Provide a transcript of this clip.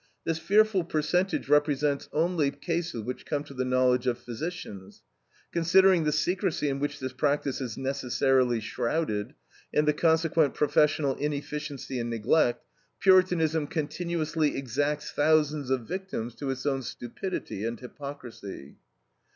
This fearful percentage represents only cases which come to the knowledge of physicians. Considering the secrecy in which this practice is necessarily shrouded, and the consequent professional inefficiency and neglect, Puritanism continuously exacts thousands of victims to its own stupidity and hypocrisy.